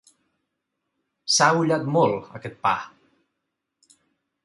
S'ha ullat molt, aquest pa.